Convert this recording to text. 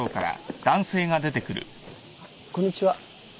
こんにちは。